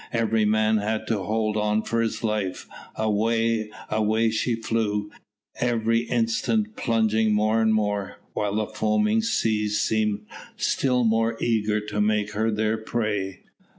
Every man had to hold on for his life; away, away she flew; every instant plunging more and more, while the foaming seas seemed still more eager to make her their prey.